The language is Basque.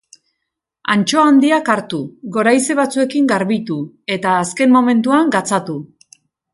Antxoa handiak hartu, goraize batzuekin garbitu, eta azken momentuan gatzatu.